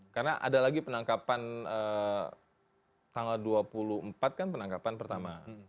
karena ada lagi penangkapan tanggal dua puluh empat kan penangkapan pertama